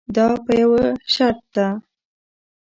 دا په یوه شرط ده.